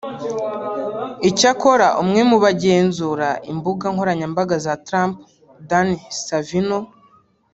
Icyakora umwe mu bagenzura imbuga nkoranyambaga za Trump Dan Scavino